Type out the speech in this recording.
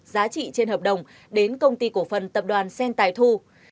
giá trị trên hợp đồng đến công ty cổ phần tập đoàn sen tài thu